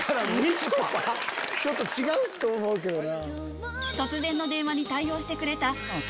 ちょっと違うと思うけどな。